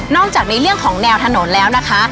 จากในเรื่องของแนวถนนแล้วนะคะ